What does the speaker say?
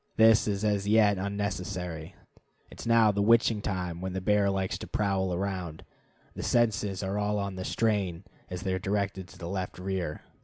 This is as yet unnecessary. It is now the witching time when this bear likes to prowl around. The senses are all on the strain as they are directed to the left rear.